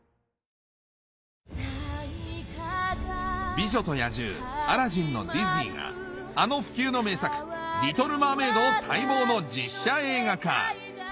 『美女と野獣』『アラジン』のディズニーがあの不朽の名作『リトル・マーメイド』を待望の実写映画化